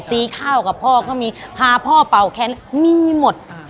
สีข้าวกับพ่อก็มีพาพ่อเป่าแคนมีหมด